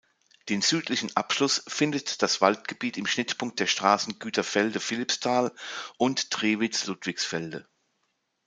Den südlichen Abschluss findet das Waldgebiet im Schnittpunkt der Straßen Güterfelde-Philippsthal und Drewitz-Ludwigsfelde.